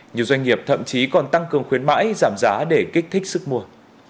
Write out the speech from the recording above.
nhiều doanh nghiệp thậm chí còn tăng cường khuyến mãi giảm giá để kích thích sức mua